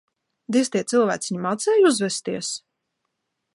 Diez tie cilvēciņi mācēja uzvesties?